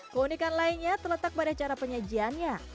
keunikan lainnya terletak pada cara penyajiannya